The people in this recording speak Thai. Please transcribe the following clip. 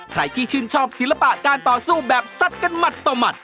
ใครที่ชื่นชอบศิลปะการต่อสู้แบบสัดกันหมัดต่อหมัด